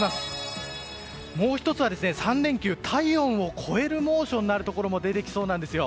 もう１つは、３連休体温を超える猛暑になるところも出てきそうなんですよ。